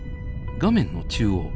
画面の中央。